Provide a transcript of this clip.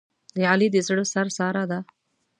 د علي د زړه سر ساره ده.